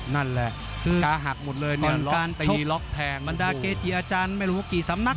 นั่นแหละกาหักหมดเลยตอนการชบบรรดาเกธีอาจารย์ไม่รู้ว่ากี่สำนัก